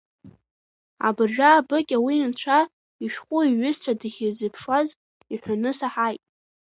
Абыржә аабыкьа уи анцәа ишәҟәы иҩызцәа дахьырзыԥшуаз иҳәоны саҳаит!